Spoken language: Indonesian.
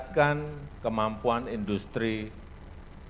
sekali lagi hanya dapat dua oleh karena itu kita harus terhenti